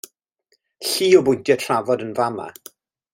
Llu o bwyntiau trafod yn fama.